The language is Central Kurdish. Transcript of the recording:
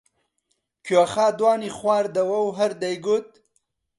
کوێخا دوانی خواردەوە و هەر دەیگوت: